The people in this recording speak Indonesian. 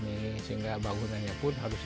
missara ingin membangun disini tapi siat tiempo